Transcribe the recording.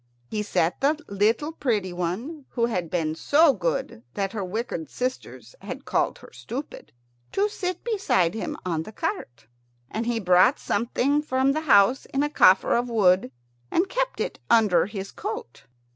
He set the little pretty one, who had been so good that her wicked sisters had called her Stupid, to sit beside him on the cart. And he brought something from the house in a coffer of wood, and kept it under his coat.